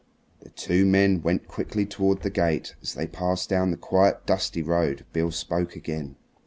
The two men went quickly towards the gate. As they passed down the quiet, dusty road Beale spoke again.